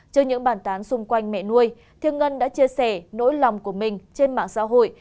trước những bàn tán xung quanh mẹ nuôi thiên ngân đã chia sẻ nỗi lòng của mình trên mạng xã hội